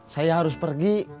saya harus pergi